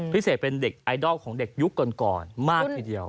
พิเศษเป็นเด็กไอดอลของเด็กยุคก่อนมากทีเดียว